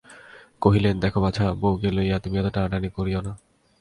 কহিলেন, দেখো বাছা, বউকে লইয়া তুমি অত টানাটানি করিয়ো না।